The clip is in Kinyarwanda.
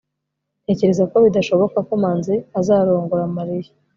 ntekereza ko bidashoboka ko manzi azarongora mariya